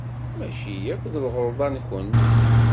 Maci akk d lɣelḍa-nwent.